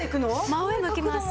真上向きます。